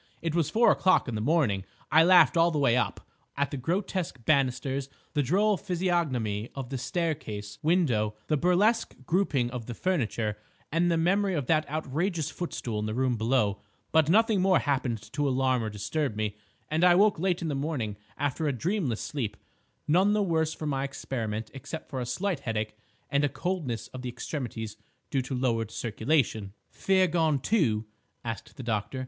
It was four o'clock in the morning. I laughed all the way up—at the grotesque banisters, the droll physiognomy of the staircase window, the burlesque grouping of the furniture, and the memory of that outrageous footstool in the room below; but nothing more happened to alarm or disturb me, and I woke late in the morning after a dreamless sleep, none the worse for my experiment except for a slight headache and a coldness of the extremities due to lowered circulation." "Fear gone, too?" asked the doctor.